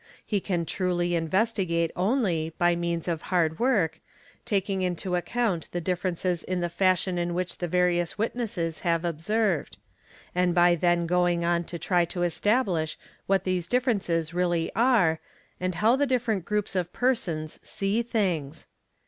He can truly investigate only, by means of hard work, taking to account the differences in the fashion in which the various witnesses have observed ; and by then going on to try to establish what these SLA EN <I ifferences really are, and how the different groups of persons see things.